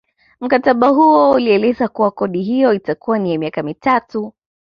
Mkataba huo ulieleza kuwa kodi hiyo itakuwa ni ya miaka mitatu